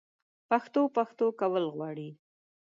پښتو؛ پښتو کول غواړي